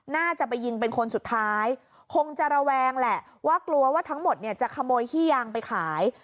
น่าจะไปยิงเป็นคนสุดท้ายคงจะระแวงแหละว่ากลัวว่าทั้งหมดเนี่ยจะขโมยขี้ยางไปขาย